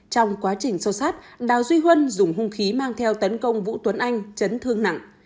trong quá trình sâu sát đào duy huân dùng hung khí mang theo tấn công vũ tuấn anh chấn thương nặng